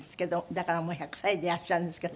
だからもう１００歳でいらっしゃるんですけど。